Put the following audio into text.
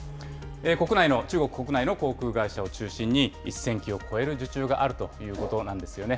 国内の、中国国内の航空会社を中心に、１０００機を超える受注があるということなんですよね。